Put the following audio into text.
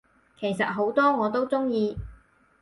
其實好多我都鍾意